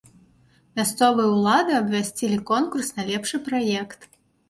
Мясцовыя ўлады абвясцілі конкурс на лепшы праект.